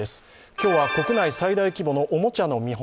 今日は国内最大規模のおもちゃの見本